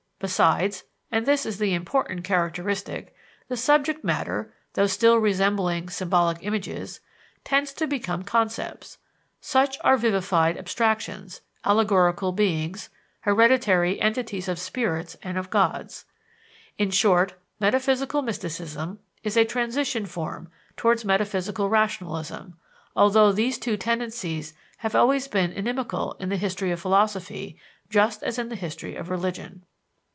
Besides, and this is the important characteristic, the subject matter though still resembling symbolic images tends to become concepts: such are vivified abstractions, allegorical beings, hereditary entities of spirits and of gods. In short, metaphysical mysticism is a transition form towards metaphysical rationalism, although these two tendencies have always been inimical in the history of philosophy, just as in the history of religion.